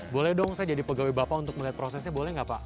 boleh dong saya jadi pegawai bapak untuk melihat prosesnya boleh nggak pak